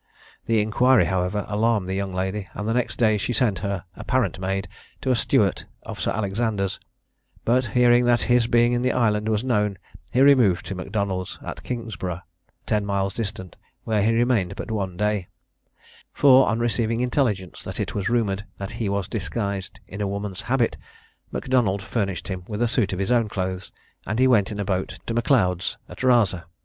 The inquiry, however, alarmed the young lady, and the next day she sent her apparent maid to a steward of Sir Alexander's: but hearing that his being in the island was known, he removed to Macdonald's, at Kingsborough, ten miles distant, where he remained but one day; for on receiving intelligence that it was rumoured that he was disguised in a woman's habit, Macdonald furnished him with a suit of his own clothes, and he went in a boat to M'Leod's at Raza.